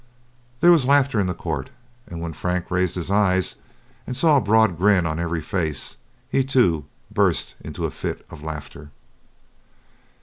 There was laughter in the court, and when Frank raised his eyes, and saw a broad grin on every face, he, too, burst into a fit of laughter.